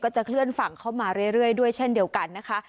จะเคลื่อนฝั่งเข้ามาเรื่อยด้วยเช่นเดียวกันนะคะ